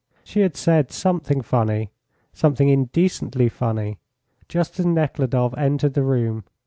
She had said something funny something indecently funny just as Nekhludoff entered the room.